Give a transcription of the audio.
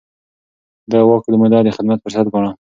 ده د واک موده د خدمت فرصت ګاڼه.